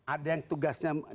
ada yang tugasnya